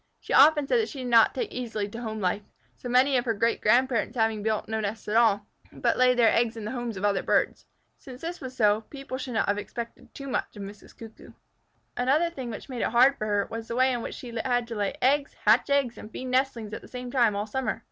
She often said that she did not take easily to home life, so many of her great grandparents having built no nests at all, but laid their eggs in the homes of other birds. Since this was so, people should not have expected too much of Mrs. Cuckoo. Another thing which made it hard for her, was the way in which she had to lay eggs, hatch eggs, and feed nestlings at the same time all summer.